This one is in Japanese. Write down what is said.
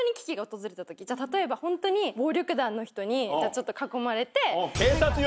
例えばホントに暴力団の人にちょっと囲まれて。